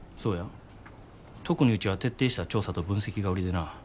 特にうちは徹底した調査と分析が売りでな。